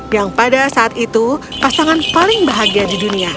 yang pada saat itu pasangan paling bahagia di dunia